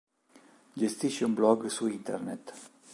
Gestisce un blog su internet.